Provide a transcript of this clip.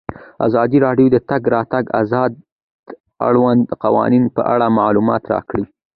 ازادي راډیو د د تګ راتګ ازادي د اړونده قوانینو په اړه معلومات ورکړي.